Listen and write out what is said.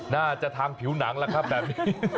น่าจะทางผิวหนังแล้วครับแบบนี้